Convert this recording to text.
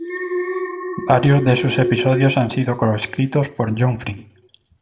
Varios de sus episodios han sido co-escritos por John Frink.